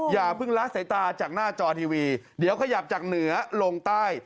อย่าเพิ่งละสายตาจากหน้าจอทีวีเดี๋ยวขยับจากเหนือลงใต้